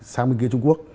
sang bên kia trung quốc